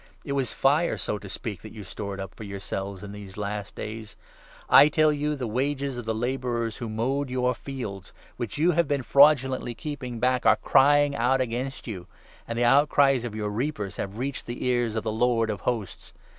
It was fire, so to speak, that you stored up for yourselves in these last days. I tell you, the wages of 4 the labourers who mowed your fields, which you have been fraudulently keeping back, are crying out against you, and the outcries of your reapers have reached the ears of the Lord of Hosts